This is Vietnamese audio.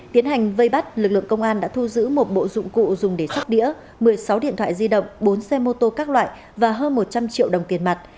tiến hành vây bắt lực lượng công an đã thu giữ một bộ dụng cụ dùng để sóc đĩa một mươi sáu điện thoại di động bốn xe mô tô các loại và hơn một trăm linh triệu đồng tiền mặt